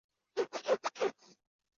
倘一答应，夜间便要来吃这人的肉的